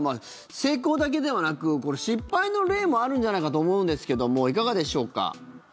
成功だけではなく失敗の例もあるんじゃないかと思うんですけどもいかがでしょうか？